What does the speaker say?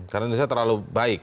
karena indonesia terlalu baik